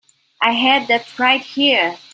I had that right here.